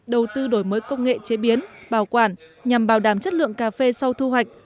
đầu tư đổi mới công nghệ chế biến bảo quản nhằm bảo đảm chất lượng cà phê sau thu hoạch